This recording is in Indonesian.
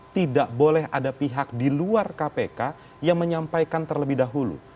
tidak boleh ada pihak di luar kpk yang menyampaikan terlebih dahulu